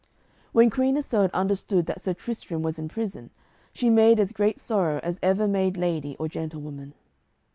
When Queen Isoud understood that Sir Tristram was in prison, she made as great sorrow as ever made lady or gentlewoman.